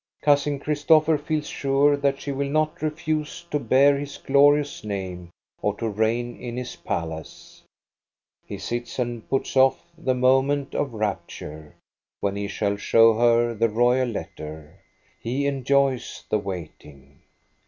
Cousin Christopher feels sure that she will not refuse to bear his glorious name or to reign in his palace. He sits and puts off the moment of rapture, when he shall show her the royal letter. He enjoys the waiting.'